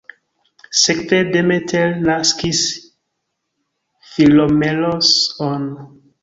Sekve Demeter naskis Philomelos-on.